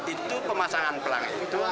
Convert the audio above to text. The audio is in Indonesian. itu pemasangan pelang